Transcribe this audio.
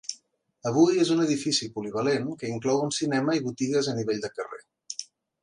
Avui és un edifici polivalent que inclou un cinema i botigues a nivell de carrer.